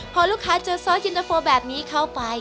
พอลูกค้าเจอซอสเย็นตะโฟแบบนี้เข้าไป